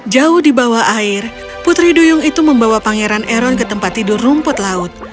jauh di bawah air putri duyung itu membawa pangeran eron ke tempat tidur rumput laut